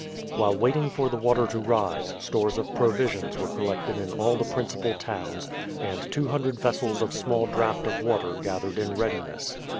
While waiting for the water to rise, stores of provisions were collected in all the principal towns, and 200 vessels of small draught of water gathered in readiness.